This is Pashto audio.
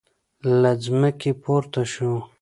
له ځمکې پورته شو.